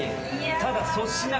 ただ。